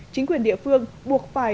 chính quyền địa phương buộc phải